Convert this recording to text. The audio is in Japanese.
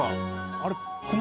あれ。